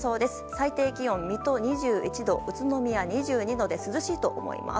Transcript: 最低気温、水戸２１度、宇都宮２２度で、涼しいと思います。